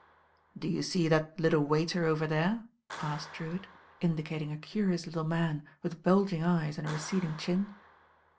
"Do you see that little waiter over there?" asked Drewitt, indicating a curious little man with bulging eyes and a receding chin.